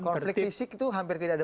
konflik fisik itu hampir tidak ada